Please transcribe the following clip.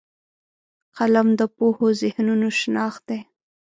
قلم د پوهو ذهنونو شناخت دی